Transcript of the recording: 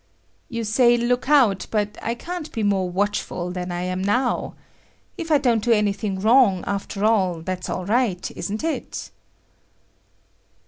"You say look out, but I can't be more watchful than I'm now. If I don't do anything wrong, after all, that's all right isn't it?"